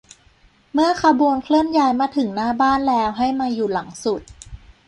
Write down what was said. เมื่อขบวนเคลื่อนย้ายมาถึงหน้าบ้านแล้วให้มาอยู่หลังสุด